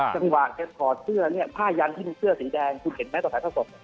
จังหวะเขียนขอเชื่อเนี่ยผ้ายันที่มีเชื่อสีแดงคุณเห็นไหมต่อสายผ้าศพ